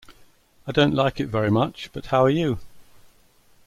I don't like it very much, but how are you?